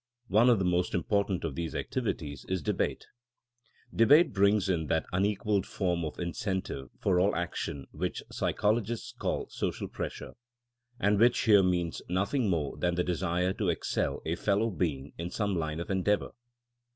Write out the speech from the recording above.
One of the most important of these activities is debate. Debate brings in that unequaled form of in centive for all action which psychologists call social pressure and which here means noth ing more than the desire to excel a fellow be ing in some line of endeavor.